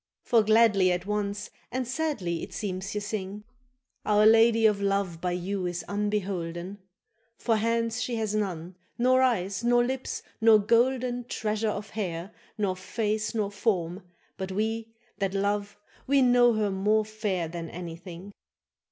For gladly at once and sadly it seems ye sing. —Our lady of love by you is unbeholden; For hands she hath none, nor eyes, nor lips, nor golden Treasure of hair, nor face nor form; but we That love, we know her more fair than anything.